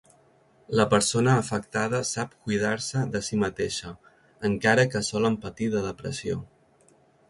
La persona afectada sap cuidar-se de si mateixa, encara que solen patir de depressió.